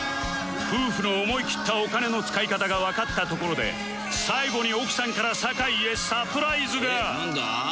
夫婦の思いきったお金の使い方がわかったところで最後に奥さんから坂井へサプライズが！